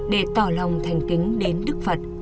để tỏ lòng thành kính đến đức phật